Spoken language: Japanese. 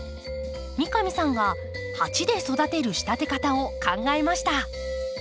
三上さんが鉢で育てる仕立て方を考えました。